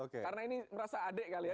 karena ini merasa adik kali ya